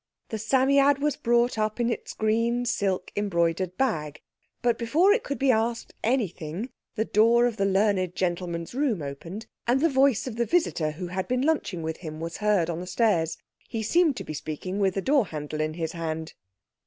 The Psammead was brought up in its green silk embroidered bag, but before it could be asked anything the door of the learned gentleman's room opened and the voice of the visitor who had been lunching with him was heard on the stairs. He seemed to be speaking with the door handle in his hand.